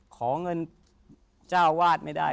ขอเงินเจ้าวาดไม่ได้